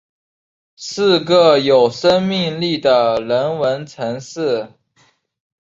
是个有生命力的人文城市